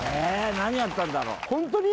何やったんだろ？